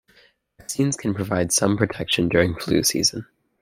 Vaccines can provide some protection during flu season.